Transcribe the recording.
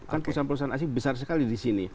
kan perusahaan perusahaan asing besar sekali di sini